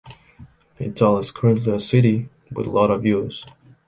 Étalle is currently a city with a lot of youths.